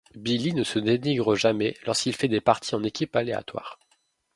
Billy ne se dénigre jamais lorsqu'il fait des parties en équipes aléatoires.